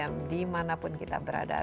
tiga m dimanapun kita berada